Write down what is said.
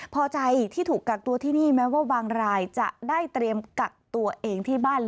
พอใจที่ถูกกักตัวที่นี่แม้ว่าบางรายจะได้เตรียมกักตัวเองที่บ้าน